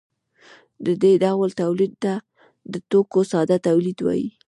دې ډول تولید ته د توکو ساده تولید وايي.